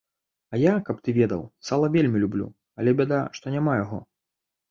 А я, каб ты ведаў, сала вельмі люблю, але бяда, што няма яго.